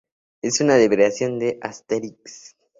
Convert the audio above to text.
Es una derivación de Asterisk.